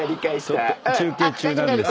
中継中なんですけど。